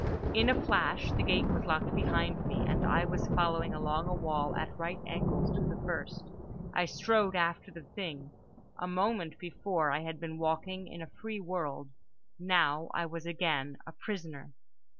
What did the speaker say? In a flash the gate was locked behind me, and I was following along a wall at right angles to the first. I strode after the thing. A moment before I had been walking in a free world: now I was again a prisoner.